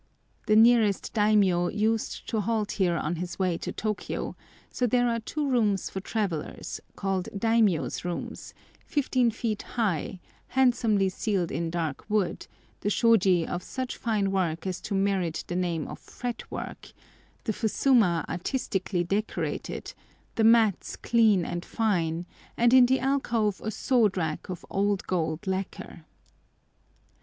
The nearest daimiyô used to halt here on his way to Tôkiyô, so there are two rooms for travellers, called daimiyôs' rooms, fifteen feet high, handsomely ceiled in dark wood, the shôji of such fine work as to merit the name of fret work, the fusuma artistically decorated, the mats clean and fine, and in the alcove a sword rack of old gold lacquer.